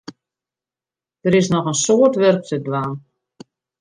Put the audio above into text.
Der is noch in soad wurk te dwaan.